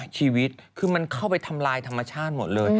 ชีวิตคือมันเข้าไปทำลายธรรมชาติหมดเลย